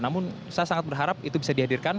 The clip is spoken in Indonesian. namun saya sangat berharap itu bisa dihadirkan